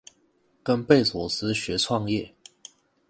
跟貝佐斯學創業